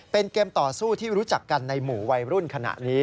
เป็นเกมต่อสู้ที่รู้จักกันในหมู่วัยรุ่นขณะนี้